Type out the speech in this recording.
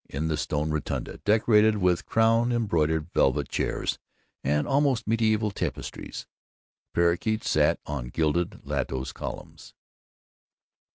In the stone rotunda, decorated with crown embroidered velvet chairs and almost medieval tapestries, parrakeets sat on gilded lotos columns.